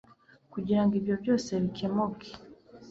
kugirango ibyo byose bikemuke